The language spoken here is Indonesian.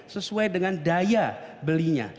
sesuai dengan daya belinya